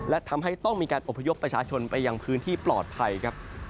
และทำให้ต้องมีการอบพยพประชาชนไปยังพื้นที่ปลอดภัยครับ